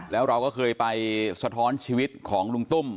แล้วเราก็เคยไปสะท้อนชีวิตของลุงตุ้ม